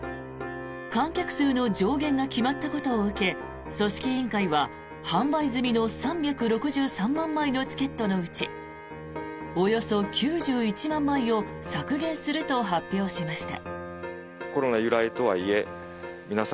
観客数の上限が決まったことを受け組織委員会は販売済みの３６３万枚のチケットのうちおよそ９１万枚を削減すると発表しました。